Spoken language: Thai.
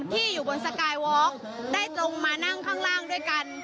ที่อยู่บนสกายวอล์กได้ตรงมานั่งข้างล่างด้วยกัน